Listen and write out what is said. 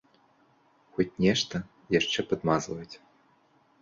Хоць нешта яшчэ падмазваюць.